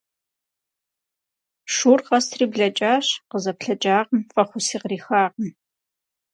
Шур къэсри блэкӏащ, къызэплъэкӏакъым, фӏэхъуси кърихакъым.